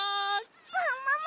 ももも！